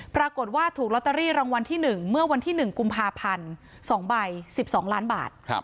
ปรากฏว่าถูกลอตเตอรี่รางวัลที่หนึ่งเมื่อวันที่หนึ่งกุมภาพันธุ์สองใบสิบสองล้านบาท